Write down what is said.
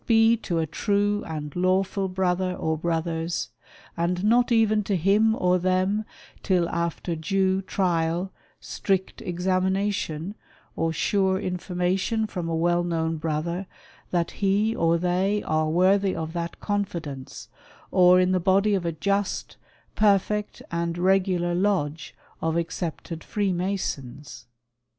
be to a true and lawful brother or brothers, and not even to " him or them, till after due trial, strict examination, or sure " information from a well known brother, that he or they are " wortliy of that confidence, or in the body of a just, perfect, " and regular lodge of accepted Freemasons.